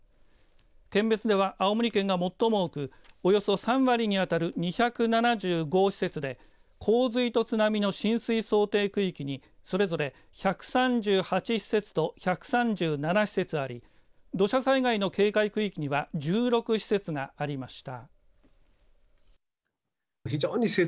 県別では青森県が最も多くおよそ３割にあたる２７５施設で洪水と津波の浸水想定区域にそれぞれ１３８施設と１３７施設あり土砂災害の警戒区域には１６施設がありました。